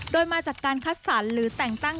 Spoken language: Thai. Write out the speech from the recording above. โดยมาจากการคัดสรรหรือแต่งตั้ง